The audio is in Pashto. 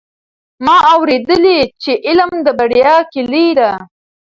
ما اورېدلي چې علم د بریا کیلي ده.